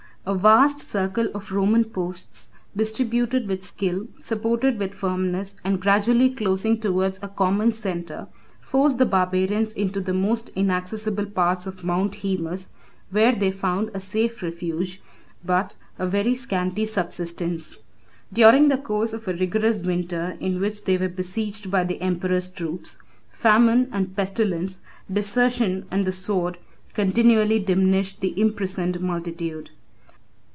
A vast circle of Roman posts, distributed with skill, supported with firmness, and gradually closing towards a common centre, forced the barbarians into the most inaccessible parts of Mount Hæmus, where they found a safe refuge, but a very scanty subsistence. During the course of a rigorous winter in which they were besieged by the emperor's troops, famine and pestilence, desertion and the sword, continually diminished the imprisoned multitude.